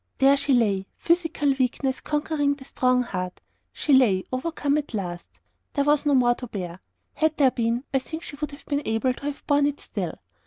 There she lay; physical weakness conquering the strong heart: she lay, overcome at last. There was no more to bear. Had there been, I think she would have been able to have borne it still.